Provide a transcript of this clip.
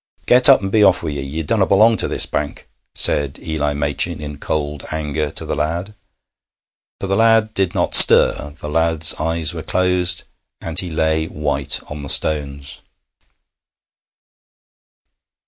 'Get up, and be off wi' ye. Ye dunna belong to this bank,' said Eli Machin in cold anger to the lad. But the lad did not stir; the lad's eyes were closed, and he lay white on the stones.